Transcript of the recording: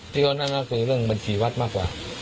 ที่เขานั่นก็คือเรื่องบัญชีวัดมากกว่า